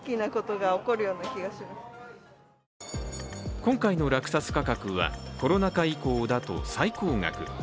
今回の落札価格は、コロナ禍以降だと最高額。